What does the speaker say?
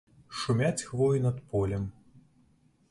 Шумяць хвоі над полем.